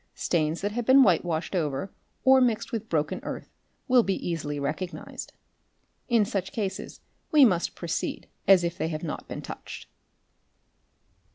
Stains that have been white washed over or mixed with broken earth will be easily recognised. In such cases we must proceed as if they have not been touched.